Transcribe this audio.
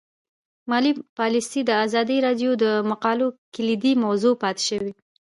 مالي پالیسي د ازادي راډیو د مقالو کلیدي موضوع پاتې شوی.